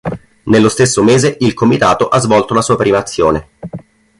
Nello stesso mese, il comitato ha svolto la sua prima azione.